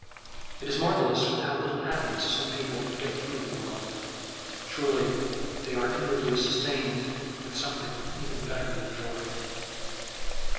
It is marvellous with how little happiness some people can get through the world. Surely they are inwardly sustained with something even better than joy.